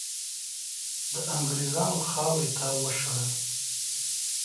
د انګریزانو خاورې ته وشړل.